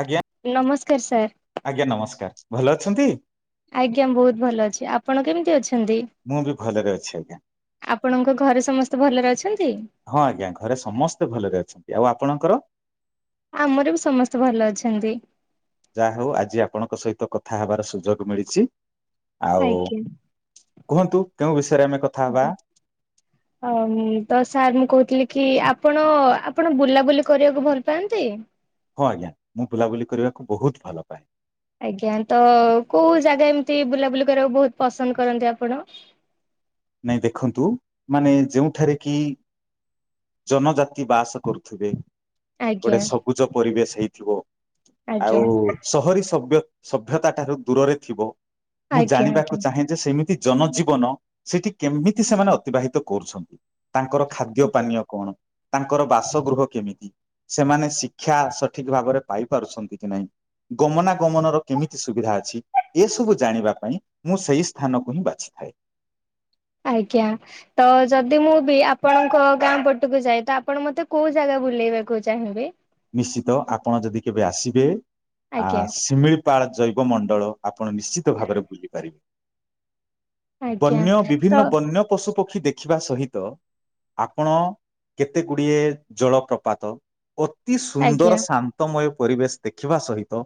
ଆଜ୍ଞା ନମସ୍କାର ସାର୍। ଆଜ୍ଞା ନମସ୍କାର ଭଲ ଅଛନ୍ତି? ଆଜ୍ଞା ବହୁତ୍ ଭଲ ଅଛି ଆପଣ କେମିତି ଅଛନ୍ତି? ମୁଁ ବି ଭଲରେ ଅଛି ଆଜ୍ଞା। ଆପଣଙ୍କ ଘରେ ସମସ୍ତେ ଭଲରେ ଅଛନ୍ତି? ହଁ ଆଜ୍ଞା ଘରେ ସମସ୍ତେ ଭଲରେ ଅଛନ୍ତି ଆଉ ଆପଣଙ୍କର? ଆମର ବି ସମସ୍ତେ ଭଲ ଅଛନ୍ତି। ଯାହା ହଉ ଆଜି ଆପଣଙ୍କ ସହିତ କଥା ହେବାର ସୁଯୋଗ ମିଳିଛି। ଆଉ ଆଜ୍ଞା କୁହନ୍ତୁ କେଉଁ ବିଷୟରେ ଆମେ କଥା ହବା? ହଁ ତ ସାର୍ ମୁଁ କହୁଥିଲି କି ଆପଣ ଆପଣ ବୁଲାବୁଲି କରିବାକୁ ଭଲ ପାଆନ୍ତି? ହଁ ଆଜ୍ଞା ମୁଁ ବୁଲାବୁଲି କରିବାକୁ ବହୁତ୍ ଭଲ ପାଏ। ଆଜ୍ଞା ତ କୋଉ ଜାଗା ଏମିତି ବୁଲାବୁଲି କରିବାକୁ ବହୁତ୍ ପସନ୍ଦ କରନ୍ତି ଆପଣ? ନାଇଁ ଦେଖନ୍ତୁ ମାନେ ଯେଉଁଠାରେ କି ଜନଜାତି ବାସ କରୁଥୁବେ। ଗୋଟେ ଆଜ୍ଞା ସବୁଜ ପରିବେଶ ହେଇଥିବ ଆଜ୍ଞା ଆଉ ସହରୀ ସବ୍ୟ ସଭ୍ୟତା ଠାରୁ ଦୂରରେ ଥିବ ମୁଁ ଆଜ୍ଞା ଆଜ୍ଞା। ଜାଣିବାକୁ ଚାହେଁ ଯେ ସେମିତି ଜନଜୀବନ ସେଠି କେମିତି ସେମାନେ ଅତିବାହିତ କରୁଛନ୍ତି? ତାଙ୍କର ଖାଦ୍ୟ ପାନୀୟ କଣ ତାଙ୍କର ବାସଗୃହ କେମିତି? ସେମାନେ ଶିକ୍ଷା ସଠିକ୍ ଭାବରେ ପାଇ ପାରୁଛନ୍ତି କି ନାହିଁ? ଗମନାଗମନ ର କେମିତି ସୁବିଧା ଅଛି? ଏସବୁ ଜାଣିବା ପାଇଁ ମୁଁ ସେଇ ସ୍ଥାନକୁ ହିଁ ବାଛିଥାଏ। ଆଜ୍ଞା। ତ ଯଦି ମୁଁ ବି ଆପଣଙ୍କ ଗାଁ ପଟକୁ ଯାଏ ତ ଆପଣ ମତେ କୋଉ ଜାଗା ବୁଲେଇବାକୁ ଚାହିଁବେ। ନିଶ୍ଚିତ ଆପଣ ଯଦି କେବେ ଆସିବେ ଆ ଆଜ୍ଞା ଶିମିଳ ପାଳ ଜୈବ ମଣ୍ଡଳ ଆପଣ ନିଶ୍ଚିତ ଭାବରେ ବୁଲିପାରିବେ। ଆଜ୍ଞା ବନ୍ୟ ତ ବିଭିନ୍ନ ବନ୍ୟ ପଶୁ ପକ୍ଷୀ ଦେଖିବା ସହିତ ଆପଣ କେତେ ଗୁଡିଏ ଜଳ ପ୍ରପାତ ଅତି ଆଜ୍ଞା ସୁନ୍ଦର ଶାନ୍ତ ତମୟ ପରିବେଶ ଦେଖିବା ସହିତ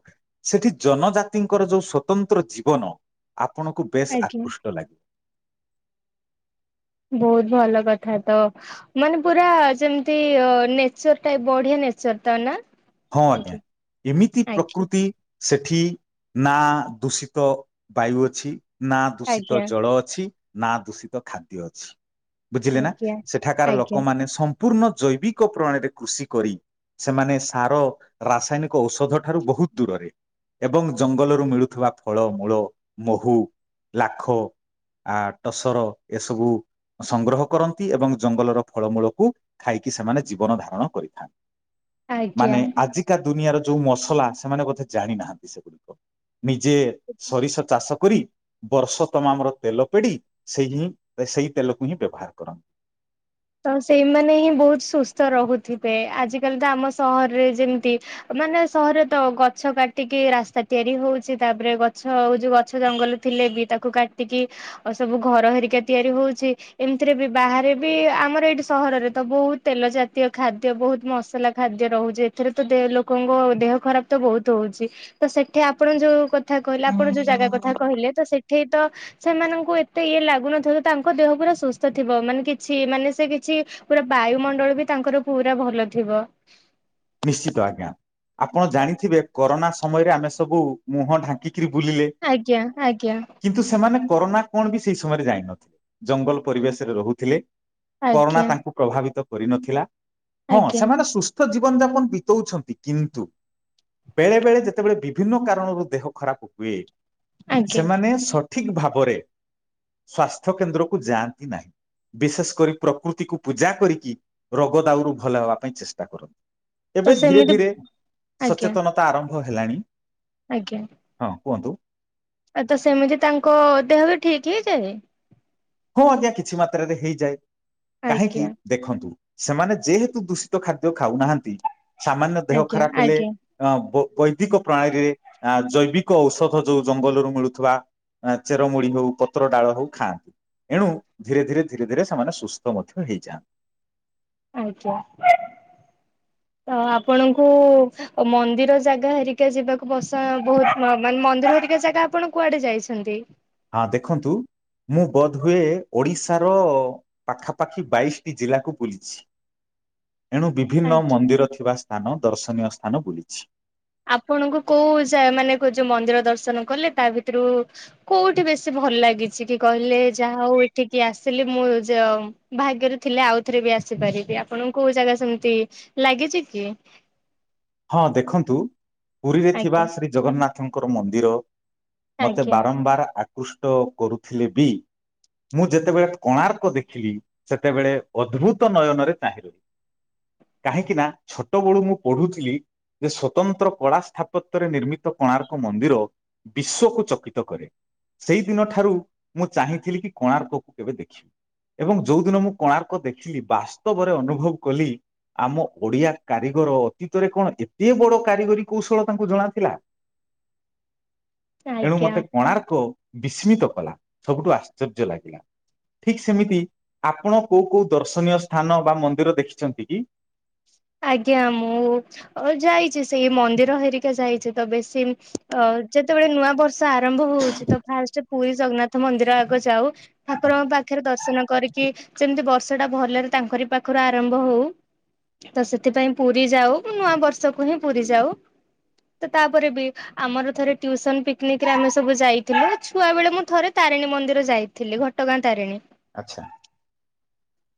ସେଠି ଜନଜାତିଙ୍କର ଯୋଉ ସ୍ଵତନ୍ତ୍ର ଜୀବନ ଆପଣଙ୍କୁ ବେଶ ଆଜ୍ଞା ଆକୃଷ୍ଟ ଲାଗିବ। ବହୁତ ଭଲ କଥା ତ। ମାନେ ପୁରା ଯେମିତି ନେଚର ଟା ବଢିଆ ନେଚର ଟ ନା। ହଁ ଆଜ୍ଞା ଏମିତି ଆଜ୍ଞା ପ୍ରକୃତି ସେଠି ନା ଦୂଷିତ ବାୟୁ ଅଛି। ନା ଦୂଷିତ ଆଜ୍ଞା ଜଳ ଅଛି, ନା ଦୂଷିତ ଖାଦ୍ୟ ଅଛି। ବୁଝିଲେ ନା ଆଜ୍ଞା ସେଠାକାର ଆଜ୍ଞା ଲୋକମାନେ ସ ସମ୍ପୂର୍ଣ୍ଣ ଜୈବିକ ପ୍ରଣାଳୀରେ କୃଷି କରି ସେମାନେ ସାର ରାସାୟନିକ ଔଷଧ ଠାରୁ ବହୁତ ଦୂରରେ। ଏବଂ ଜଙ୍ଗଲରୁ ମିଳୁଥିବା ଫଳ, ମୂଳ, ମହୁ ଲାଖ ଆ ଟସର ଏସବୁ ସଂଗ୍ରହ କରନ୍ତି ଏବଂ ଜଙ୍ଗଲର ଫଳମୂଳକୁ ଖାଇକି ସେମାନେ ଜୀବନ ଧାରଣ କରିଥାନ୍ତି। ମାନେ ଆଜ୍ଞା ଆଜିକା ଦୁନିଆର ଯୋଉ ମସଲା ସେମାନେ ବୋଧେ ଜାଣିନାହାନ୍ତି ସେ। ନିଜେ ସରିଷ ଚାଷ କରି ବର୍ଷ ତମାମ ର ତେଲ ପେଡି ସେଇ ହିଁ ସେଇ ତେଲକୁ ହିଁ ବ୍ୟବହାର କରନ୍ତି। ତ ସେଇମାନେ ହିଁ ବହୁତ ସୁସ୍ଥ ରହୁଥିବେ, ଆଜିକାଲି ତ ଆମ ସହରରେ ଯେମିତି ମାନେ ସହରରେ ତ ଗଛ କାଟିକି ରାସ୍ତା ତିଆରି ହଉଛି, ତାପରେ ଗଛ ହଉ ଯୋଉ ଗଛ ଜଙ୍ଗଲ ଥିଲେ ବି ତାକୁ କାଟିକି ଆଉ ସବୁ ଘର ହେରିକା ତିଆରି ହଉଛି ଏମିତିରେ ବି ବାହାରେ ବି ଆ ଆମର ଏଇଠି ସହରରେ ତ ବହୁତ ତେଲ ଜାତୀୟ ଖାଦ୍ୟ ବହୁତ ମସଲା ଖାଦ୍ୟ ରହୁଛି। ଏଥିରେ ତ ଦେ ଲୋକଙ୍କ ଦେହ ଖରାପ ତ ବହୁତ ହଉଛି। ତ ସେଠି ଆପଣ ଯୋଉ କଥା କହିଲେ ଆପଣ ଯୋଉ ଜାଗା କଥା କହିଲେ ତ ସେଠି ତ ସେମାନଙ୍କୁ ଏତେ ଇଏ ଲାଗୁନଥିବ ତାଙ୍କ ଦେହ ପୁରା ସୁସ୍ଥ ଥିବ, ମାନେ କିଛି ମାନେ ସେ କିଛି ପୁରା ବାୟୁମଣ୍ଡଳ ବି ତାଙ୍କର ପୁରା ଭଲ ଥିବ। ନିଶ୍ଚିତ ଆଜ୍ଞା, ଆପଣ ଆଚ୍ଛା। ଜାଣିଥିବେ କରୋନା ସମୟରେ ଆମେ ସବୁ ମୁହଁ ଢାଙ୍କିକିରି ବୁଲିଲେ। ଆଜ୍ଞା ଆଜ୍ଞା। କିନ୍ତୁ ସେମାନେ କରୋନା କଣ ବି ସେଇ ସମୟରେ ଯାଇନଥିଲେ ଜଙ୍ଗଲ ପରିବେଶରେ ରହୁଥିଲେ। କରୋନା ଆଜ୍ଞା ତାଙ୍କୁ ପ୍ରଭାବିତ କରିନଥିଲା, ହଁ ଆଜ୍ଞା ସେମାନେ ସୁସ୍ଥ ଜି ଜୀବନ ଯାପନ ବିତଉଛନ୍ତି କିନ୍ତୁ ବେଳେ ବେଳେ ଯେତେବେଳେ ବିଭିନ୍ନ କାରଣରୁ ଦେହ ଖରାପ ହୁଏ, ଆଜ୍ଞା ସେମାନେ ସ ଠିକ ଭାବରେ ସ୍ୱାସ୍ଥ୍ୟ କେନ୍ଦ୍ରକୁ ଯାଆନ୍ତି ନାହିଁ। ବିଶେଷ କରି ପ୍ରକୃତିକୁ ପୂଜା କରିକି ରୋଗ ଦାଉରୁ ଭଲ ହେବା ପାଇଁ ଚେଷ୍ଟା କରନ୍ତି। ତ ଏବେ ଧୀରେ ସେମିତି ଧୀରେ ଆଜ୍ଞା ସଚେତନତା ଆରମ୍ଭ ହେଲାଣି। ଆଜ୍ଞା। ହଁ କୁହନ୍ତୁ? ଆଉ ତ ସେମିତି ତାଙ୍କ ଦେହ ବି ଠିକ୍ ହେଇଯାଏ? ହଁ ଆଜ୍ଞା କିଛି ମାତ୍ରାରେ ହେଇଯାଏ, କାହିଁକି? ଆଜ୍ଞା ଦେଖନ୍ତୁ ସେମାନେ ଯେହେତୁ ଦୂଷିତ ଖାଦ୍ୟ ଖାଉନାହାନ୍ତି ସାମାନ୍ୟ ଦେହ ଆଜ୍ଞା ଖରାପ ହେଲେ ଆଜ୍ଞା ଅ ବ ବୈଦିକ ପ୍ରଣାଳୀରେ ଜୈବିକ ଔଷଧ ଯୋଉ ଜଙ୍ଗଲରୁ ମିଳୁଥିବା ଆ ଚେରମୁଳି ହଉ, ପତ୍ର ଡାଳ ହଉ ଖାଆନ୍ତି। ଏଣୁ ଧୀରେ ଧୀରେ ଧୀରେ ଧୀରେ ସେମାନେ ସୁସ୍ଥ ମଧ୍ୟ ହେଇଯାଆନ୍ତି। ଆଜ୍ଞା ତ ଆପଣଙ୍କୁ ଓ ମନ୍ଦିର ଜାଗା ହରିକା ଯିବାକୁ ବର୍ଷା ବୋହୁତ ମ ମାନେ ମନ୍ଦିର ହରିକା ଜାଗା ଆପଣ କୁଆଡେ ଯାଇଛନ୍ତି? ହଁ ଦେଖନ୍ତୁ ମୁଁ ବୋଧହୁଏ ଓଡ଼ିଶାର ପାଖାପାଖି ବାଇଶଟି ଜିଲ୍ଲାକୁ ବୁଲିଚି। ଏଣୁ ବିଭିନ୍ନ ଆଜ୍ଞା ମନ୍ଦିର ଥିବା ସ୍ଥାନ ଦର୍ଶନୀୟ ସ୍ଥାନ ବୁଲିଛି। ଆପଣଙ୍କୁ କୋଉ ଜା ମାନେ କ ଯୋଉ ମନ୍ଦିର ଦର୍ଶନ କଲେ ତା ଭିତରୁ କୋଉଠି ବେଶୀ ଭଲ ଲାଗିଛି କି କହିଲେ ଯାହା ହୋଉ ଏଠିକି ଆସିଲି ମୁଁ ଯ ଭାଗ୍ୟରେ ଥିଲେ ଆଉଥରେ ବି ଆସିପାରିବି ଆପଣଙ୍କୁ କୋଉ ଜାଗା ସେମିତି ଲାଗିଚି କି? ହଁ ଦେଖନ୍ତୁ ପୁରୀରେ ଥିବା ଆଜ୍ଞା ଶ୍ରୀ ଜଗନ୍ନାଥଙ୍କର ମନ୍ଦିର ମତେ ଆଜ୍ଞା ବାରମ୍ବାର ଆକୃଷ୍ଟ କରୁଥିଲେ ବି ମୁଁ ଯେତେବେଳେ କୋଣାର୍କ ଦେଖିଲି ସେତେବେଳେ ଅଦ୍ଭୁତ ନୟନରେ ଚାହିଁ ରହିଲି। କାହିଁକିନା ଛୋଟ ବେଳୁ ମୁଁ ପଢୁଥିଲି ଯେ ସ୍ଵତନ୍ତ୍ର କଳା ସ୍ଥାପତ୍ୟରେ ନିର୍ମିତ କୋଣାର୍କ ମନ୍ଦିର ବିଶ୍ଵକୁ ଚକିତ କରେ। ସେଇ ଦିନଠାରୁ ମୁଁ ଚାହିଁଥିଲି କି କୋଣାର୍କକୁ କେବେ ଦେଖିବି। ଏବଂ ଯୋଉ ଦିନ ମୁଁ କୋଣାର୍କ ଦେଖିଲି ବାସ୍ତବରେ ଅନୁଭବ କଲି ଆମ ଓଡିଆ କାରିଗର ଅତୀତରେ କଣ ଏତେ ବଡ କାରିଗରୀ କୌଶଳ ତାଙ୍କୁ ଜଣାଥିଲା। ଏଣୁ ଆଜ୍ଞା ମତେ କୋଣାର୍କ ବିସ୍ମିତ କଲା ସବୁଠୁ ଆଶ୍ଚର୍ଯ୍ୟ ଲାଗିଲା। ଠିକ ସେମିତି ଆପଣ କୋଉ କୋଉ ଦର୍ଶନୀୟ ସ୍ଥାନ ବା ମନ୍ଦିର ଦେଖିଛନ୍ତି କି? ଆଜ୍ଞା ମୁଁ ଅ ଯାଇଚି ସେଇ ମନ୍ଦିର ହରିକା ଯାଇଚି ତ ବେଶୀ ଅ ଯେତେବେଳେ ନୂଆ ବର୍ ଷ ଆରମ୍ଭ ହୋଉଚି ତ ଫାଷ୍ଟେ ପୁରୀ ଜଗନ୍ନାଥ ମନ୍ଦିର ଆଗ ଯାଉ ଠାକୁରଙ୍କ ପାଖରେ ଦର୍ଶନ କରିକି ଯେମତି ବର୍ଷଟା ଭଲରେ ତାଙ୍କରି ପାଖରୁ ଆରମ୍ଭ ହୋଉ ତ ସେଥିପାଇଁ ପୁରୀ ଯାଉ ନୂଆ ବର୍ଷକୁ ହିଁ ପୁରୀ ଯାଉ ତ ତାପରେ ବି ଆମର ଥରେ ଟ୍ୟୁସନ ପିକନିକରେ ଆମେ ସବୁ ଯାଇଥିଲୁ ଛୁଆବେଳେ ମୁଁ ଥରେ ତାରିଣୀ ମନ୍ଦିର ଯାଇ ଥିଲି ଘଟଗାଁ ତାରିଣୀ। ଆଚ୍ଛା।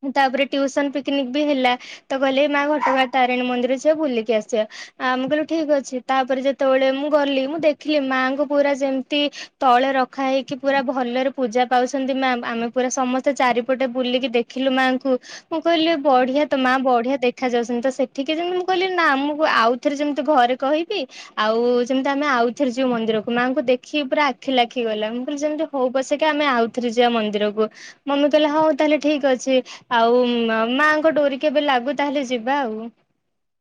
ମୁଁ ତାପରେ ଟ୍ୟୁସନ ପିକନିକ ବି ହେଲା ତ ଗଲେ ମା ଘଟଗାଁ ତାରିଣୀ ମନ୍ଦିର ଯିଆ ବୁଲିକି ଆସିବା। ଆମେ କହିଲୁ ଠିକ ଅଛି ତାପରେ ଯେତେବେଳେ ମୁଁ ଗଲି ମୁଁ ଦେଖିଲି ମାଆଙ୍କୁ ପୁରା ଯେମତି ତଳେ ରଖା ହେଇକି ପୁରା ଭଲରେ ପୂଜା ପାଉଛନ୍ତି ମା ଆମେ ପୁରା ସମସ୍ତେ ଚାରିପଟେ ବୁଲିକି ଦେ ଖିଲୁ ମାଆଙ୍କୁ ମୁଁ କହିଲି ବଢିଆ ତ ମା ବଢିଆ ଦେଖା ଯାଉଛନ୍ତି ତ ସେଠିକି ଯେମତି ମୁଁ କହିଲି ନା ମୁଁ ଆଉଥରେ ଯେମତି ଘରେ କହିବି ଆଉ ଯେମତି ଆମେ ଆଉ ଥରେ ଯିବୁ ମନ୍ଦିରକୁ ମାଆଙ୍କୁ ଦେଖି ପୁରା ଆଖିଲ ଲାଖିଗଲା ମୁଁ କହିଲି ଯେମତି ହୋଉ ପଛକେ ଆମେ ଆଉଥରେ ଯିବା ମନ୍ଦିରକୁ। ମମି କହିଲା ହୋଉ ତାହେଲେ ଠିକ ଅଛି ଆଉ ଉମ୍ ମାଆଙ୍କ ଡୋରି କେବେ ଲାଗୁ ତାହେଲେ ଯିବା ଆଉ।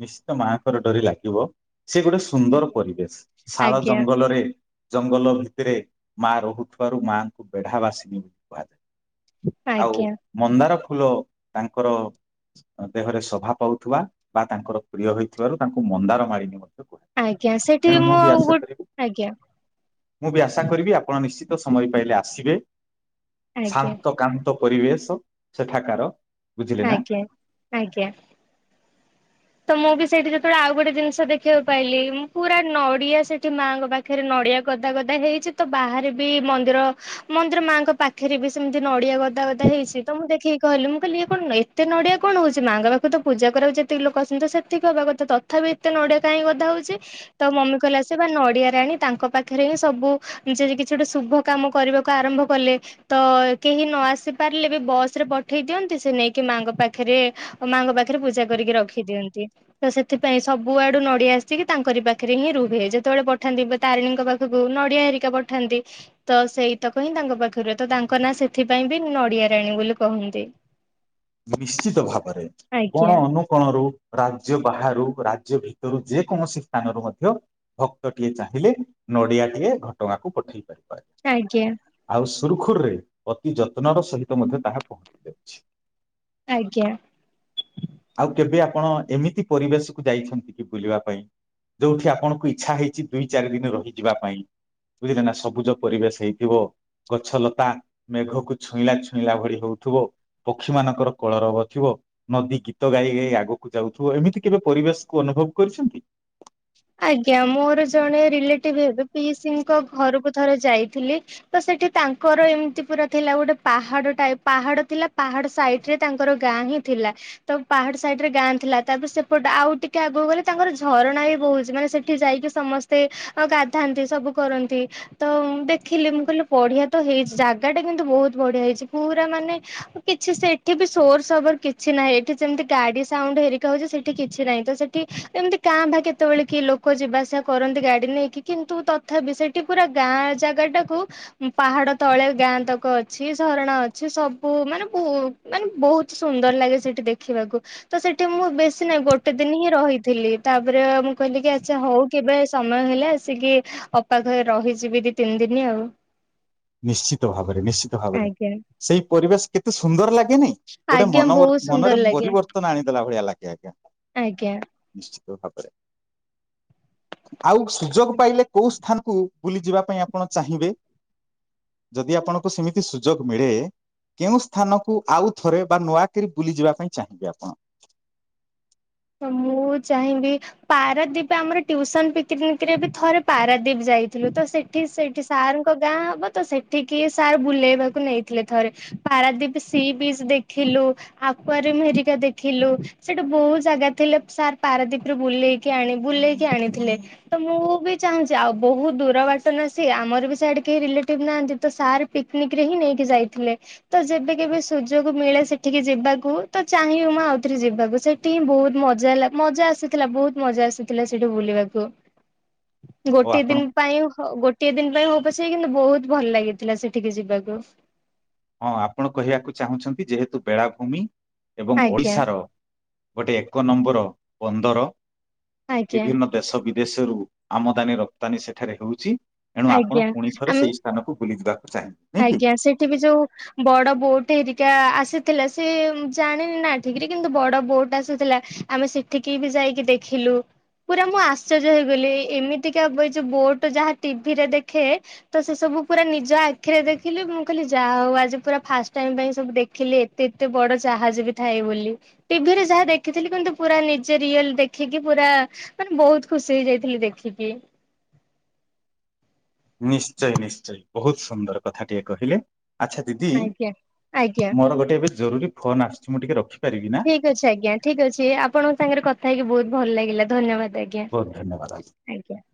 ନିଶ୍ଚିତ ମାଆଙ୍କର ଡୋରି ଲାଗିବ ସେ ଗୋଟେ ସୁନ୍ଦର ପରିବେଶ ଶାଳ ଆଜ୍ଞା ଜଙ୍ଗଲରେ ଜଙ୍ଗଲ ଭିତରେ ମାଆ ରହୁଥୁବାରୁ ମାଆଙ୍କୁ ବେଢା ବାସିନୀ ବି କୁହାଯାଏ। ଆଉ ଆଜ୍ଞା ମନ୍ଦାର ଫୁଲ ତାଙ୍କର ଦେହରେ ଶୋଭା ପାଉଥୁବା ବା ତାଙ୍କର ପ୍ରିୟ ହୋଇଥିବାରୁ ତାଙ୍କୁ ମନ୍ଦାର ମାଳିନୀ ମଧ୍ୟ କୁହା ଆଜ୍ଞା ସେଠି ମୁଁ ଆଉ ଗୋ ଆଜ୍ଞା। ମୁଁ ବି ଆଶା କରିବି ଆପଣ ନିଶ୍ଚିତ ସମୟ ପାଇଲେ ଆସିବେ ଆଜ୍ଞା ଶାନ୍ତ କାନ୍ତ ପରିବେଶ ସେଠାକାର। ବୁଝିଲେ ନା ଆଜ୍ଞା ଆଜ୍ଞା। ତ ମୁଁ ବି ସେଇଠି ଯେତେବେଳେ ଆଉ ଗୋଟେ ଜିନିଷ ଦେଖିବାକୁ ପାଇଲି ମୁଁ ପୁରା ନଡିଆ ସେଠି ମାଆଙ୍କ ପା ଖରେ ନଡିଆ ଗଦା ଗଦା ହେଇଚି ତ ବାହାରେ ବି ମନ୍ଦିର ମନ୍ଦିର ମାଆଙ୍କ ପା ପାଖରେ ବି ସେମତି ନଡିଆ ଗଦା ଗଦା ହେଇଛି ତ ମୁଁ ଦେଖିକି କିହିଲି ମୁଁ କହିଲି ଏ କଣ ଏତେ ନଡିଆ କଣ ହୋଉଛି ମାଆଙ୍କ ପା କୁ ତ ପୂଜା କରିବାକୁ ଯେତିକି ଲୋକ ଆସନ୍ତି ତ ସେତିକି ହବା କଥା ତଥାବି ଏତେ ନଡିଆ କାଇଁ ଗଦା ହୋଉଚି? ତ ମମି କହିଲେ ଆ ସେ ବା ନଡିଆରାଣୀ ତାଙ୍କ ପାଖରେ ହିଁ ସବୁ ଯଦି କିଛି ଗୋଟେ ଶୁଭ କାମ କରିବାକୁ ଆରମ୍ଭ କଲେ। ତ କେହି ନ ଆସି ପାରିଲେ ବି ବସ ରେ ପଠେଇ ଦିଅନ୍ତି ସେ ନେଇକି ମାଙ୍କ ପାଖରେ ମାଙ୍କ ପାଖରେ ପୂଜା କରିକି ରଖିଦିଅନ୍ତି। ତ ସେଥିପାଇଁ ସବୁଆଡୁ ନଡିଆ ଆସିକି ତାଙ୍କରି ପାଖରେ ହିଁ ରୁହେ ଯେତେବେଳେ ପଠାନ୍ତି। ତାରିଣୀଙ୍କ ପାଖକୁ ନଡିଆ ହେରିକା ପଠାନ୍ତି। ତ ସେଇତକ ହିଁ ତାଙ୍କ ପାଖରୁ ହୁଏ ତ ତାଙ୍କ ନାଁ ସେଥିପାଇଁ ବି ନଡିଆ ରାଣୀ ବୋଲି କହନ୍ତି। ନିଶ୍ଚିତ ଭାବରେ କଣ ଆଜ୍ଞା ଅନୁ କଣରୁ ରାଜ୍ୟ ବାହାରୁ ରାଜ୍ୟ ଭିତରୁ ଯେକୌଣସି ସ୍ଥାନରୁ ମଧ୍ୟ ଭକ୍ତ ଟିଏ ଚାହିଁଲେ ନଡିଆ ଟିକେ ଘଟଗା କ ପଠେଇ ପାରିବା। ଆଜ୍ଞା। ଆଉ ସୁରୁଖୁରୁରେ ଅତି ଯତ୍ନର ସହିତ ମଧ୍ୟ ତାହା ପହଞ୍ଚି ଯାଉଛି। ଆଜ୍ଞା। ଆଉ କେବେ ଆପଣ ଏମିତି ପରିବେଶକୁୁ ଯାଇଛନ୍ତି କି ବୁଲିବା ପାଇଁ? ଯୋଉଠି ଆପଣଙ୍କୁ ଇଚ୍ଛା ହେଇଛି ଦୁଇ ଚାରି ଦିନ ରହିଯିବା ପାଇଁ। ବୁଝିଲେ ନା ସବୁଜ ପରିବେଶ ହେଇଥିବ। ଗଛ ଲତା ମେଘକୁ ଛୁଇଁଲା ଛୁଇଁଲା ଭଳି ହଉଥିବ ପକ୍ଷୀ ମାନଙ୍କ କର କଳା ରବର ଥିବ? ନଦୀ ଗୀତ ଗାଇ ଗାଇ ଆଗକୁ ଯାଉଥିବ ଏମିତି କେବେ ପରିବେଶ କୁ ଅନୁଭବ କରିଛନ୍ତି? ଆଜ୍ଞା ମୋର ଜଣେ ରିଲେଟିଭ ହେବେ ପିସି ଙ୍କ ଘରକୁ ଥରେ ଯାଇଥିଲି। ତ ସେଠି ତାଙ୍କର ଏମିତି ପୁରା ଥିଲା ଗୋଟେ ପାହାଡ ଟାଇପ ପାହାଡ ଥିଲା ପାହାଡ ସାଇଟ ରେ ତାଙ୍କର ଗାଁ ହିଁ ଥିଲା। ତ ପାହାଡ ସାଇଡ ରେ ଗାଁ ଥିଲା ତାପରେ ସେପଟେ ଆଉ ଟିକେ ଆଗକୁ ଗଲେ ତାଙ୍କର ଝରଣା ବି ବହୁତ। ମାନେ ସେଠି ଯାଇକି ସମସ୍ତେ ଗାଧାନ୍ତି ସବୁ କରନ୍ତି। ତ ଦେଖିଲି ମୁଁ କହିଲି ବଢିଆ ତ ହେଇଛି ଜାଗା ଟା କିନ୍ତୁ ବହୁତ ବଢିଆ ହେଇଛି। ପୁରା ମାନେ କିଛି ସେଠି ବି ସୋର ସବର କିଛି ନାହିଁ। ଏଠି ଯେମିତି ଗାଡି ସାଉଣ୍ଡ ହେରିକା ହଉଛି ସେଠି କିଛି ନାହିଁ। ତ ସେଠ ଏମିତି କାଁ ବା କେତେବେଳେ କି ଲୋକ ଯିବା ଆସିବା କରନ୍ତି। ଗାଡି ନେଇକି କିନ୍ତୁ ତଥାପି ସେଇଠି ପୁରା ଗାଁ ଜାଗା ଟାକୁ ପାହାଡ ତଳେ ଗାଁ ତକ ଅଛି। ଝରଣା ଅଛି। ସବୁ ମାନେ ବହୁ ମାନେ ବହୁତ ସୁନ୍ଦର ଲାଗେ ସେଠି ଦେଖିବାକୁ। ତ ସେଠି ମୁଁ ବେଶୀ ନାହିଁ ଗୋଟେ ଦିନ ହିଁ ରହିଥିଲି ତାପରେ ମୁଁ କହିଲି କି ଆଚ୍ଛା ହୋଉ କେବେ ସମୟ ହେଲା ଆସିକି ଅପା ଘରେ ରହିଯିବି ଦି ତିନି ଦିନି ଆଉ। ନିଶ୍ଚିତ ଭାବରେ ନିଶ୍ଚିତ ଭାବରେ ସେଇ ପରିବେଶ କେତେ ସୁନ୍ଦର ଲାଗେନାଇଁ? ଗୋଟେ ଆଜ୍ଞା ମନ ବହୁତ ମନରେ ସୁନ୍ଦର ଲାଗେ ପରିବର୍ତ୍ତନ ଆଣିଦେଲା ଭଳିଆ ଲଗେ ଆଜ୍ଞା। ଆଜ୍ଞା। ନିଶ୍ଚିତ ଭାବରେ। ଆଉ ସୁଯୋଗ ପାଇଲେ କୋଉ ସ୍ଥାନକୁ ବୁଲି ଯିବା ପାଇଁ ଆପଣ ଚାହିଁବେ। ଯଦି ଆପଣଙ୍କୁ ସେମିତି ସୁଯୋଗ ମିଳେ କେଉଁ ସ୍ଥାନକୁ ଆଉ ଥରେ ବା ନୂଆକରି ବୁଲିଯିବା ପାଇଁ ଚାହିଁବେ ଆପଣ? ମୁଁ ଚାହିଁବି ପାରାଦୀପ ଆମର ଟ୍ୟୁସନ ପିକ୍‌ନିକ୍ ରେ ବି ଥରେ ପାରାଦୀପ ଯାଇଥିଲୁ। ତ ସେ ସେଠି ସେଇଠି ସାର୍ ଗାଁ ହବ ତ ସେଠିକି ସାର୍ ବୁଲେଇବାକୁ ନେଇଥିଲେ ଥରେ। ପାରାଦୀପ୍ ସି ବିଚ୍ ଦେଖିଲୁ। ଆକୁଆର ମେହେରିକା ଦେଖିଲୁ। ସେଠି ବହୁତ ଜାଗା ଥିଲେ ସାର୍ ପାରାଦ୍ୱୀପ୍ ରେ ବୁଲେଇକି ଆଣି ବୁଲେଇକି ଆଣିଥିଲେ। ତ ମୁଁ ବି ଚାହୁଁଛି ଆଉ ବହୁତ ଦୂର ବାଟ ନାସି ଆମର ବି ସେଆଡେ଼ କେହି ରିଲେଟିଭ ନାହାନ୍ତି। ତ ସାର୍ ପିକ୍ନିକ୍ ରେ ହିଁ ନେଇକି ଯାଇଥିଲେ। ତ ଯେବେ କେବେ ସୁଯୋଗ ମିଳେ ସେଠିକି ଯିବାକୁ ତ ଚାହିଁବି ମୁଁ ଆଉଥରେ ଯିବାକୁ ସେଇ ସେ ହିଁ ବହୁତ ମଜାହେଲା ମଜା ଆସିଥିଲା ବହୁତ ମଜା ଆସିଥିଲା ସେଇଠୁ ବୁଲିବାକୁ। ଓ ଗୋଟିଏ ଆପଣ ଦିନ ପାଇଁ ଗୋଟିଏ ଦିନ ପାଇଁ ହଉ ପଛ କିନ୍ତୁ ବହୁତ ଭଲ ଲାଗିଥିଲା ସେଠିକି ଯିବାକୁ। ହଁ ଆପଣ କହିବାକୁ ଚାହୁଁଛନ୍ତି ଯେହେତୁ ବେଳାଭୂମି ଏବଂ ଆଜ୍ଞା ଓଡିଶାର ଗୋଟେ ଏକ ନମ୍ବର ପନ୍ଦର ଆଜ୍ଞା ବିଭିନ୍ନ ଦେଶ ବିଦେଶରୁୁ ଆମଦାନୀ ରପ୍ତାନୀ ସେଠାରେ ହୋଉଚି। ଏଣୁ ଆପଣ ଆଜ୍ଞା ପୁଣି ଥରେ ଆମେ ସେଇ ସ୍ଥାନକୁ ବୁଲି ଯିବାକୁ ଚାହିଁ ଆଜ୍ଞା ସେଠି ବି ଯୋଉ ବଡ ବୋଟ୍ ହେରିକା ଆସିଥିଲା ସେ ଜାଣିନି ନାଁ ଠିକରେ କିନ୍ତୁ ବଡ ବୋଟ୍ ଆସିଥିଲା ଆମେ ସେଠିକି ବି ଯାଇକି ଦେଖିଲୁ। ପୁରା ମୁଁ ଆଶ୍ଚର୍ଯ୍ୟ ହେଇଗଲି ଏଇ ଏମିତିକା ବ ଏଇ ଯୋଉ ବୋଟ ଯାହା ଟିଭି ରେ ଦେଖେ ତ ସେ ସବୁ ପୁରା ନିଜ ଆ ଖିରେ ଦେଖିଲି ମୁଁ କହିଲି ଯାହା ହୋଉ ଆଜି ପୁରା ଫାଷ୍ଟ ଟାଇମ ପାଇଁ ସବୁ ଦେଖିଲି ଏତେ ଏତେ ବଡ ଯାହାଜ ବି ଥାଏ ବୋଲି, ଟିଭିରେ ଯାହା ଦେଖିଥିଲି କିନ୍ତୁ ପୁରା ନିଜେ ରିଏଲ ଦେଖିକି ପୁରା ମାନେ ବୋହୁତ ଖୁସି ହେଇଯାଇଥିଲି ଦେଖିକି। ନିଶ୍ଚୟ ନିଶ୍ଚୟ ବୋହୁତ ସୁନ୍ଦର କଥା ଟିଏ କହିଲେ ଆଚ୍ଛା ଦିଦି ଆଜ୍ଞା ଆଜ୍ଞା। ମୋରୋ ଗୋଟେ ଏବେ ଜରୁରୀ ଫୋନ୍ ଆସୁଛି ମୁଁ ଟିକେ ରଖିପାରିବି ନା। ଠିକ୍ ଅଛି ଆଜ୍ଞା ଠିକ ଅଛି ଆପଣଙ୍କ ସାଙ୍ଗେରେ କଥା ହେଇକି ବୋହୁତ ଭଲ ଲାଗିଲା ଧନ୍ୟବାଦ ଆ ବୋହୁତ ଧନ୍ୟବାଦ [unintelligible] ଆଜ୍ଞା।